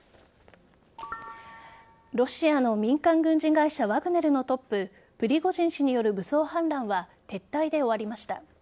ロシアの民間軍事会社ワグネルのトッププリゴジン氏による武装反乱は撤退で終わりました。